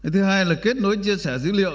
thứ hai là kết nối chia sẻ dữ liệu